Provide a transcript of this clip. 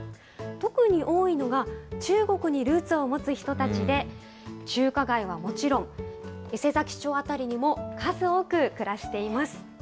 特に多いのが、中国にルーツを持つ人たちで、中華街はもちろん、伊勢佐木町辺りにも、数多く暮らしています。